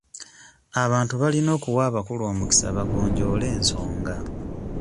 Abantu balina okuwa abakulu omukisa bagonjoole ensonga.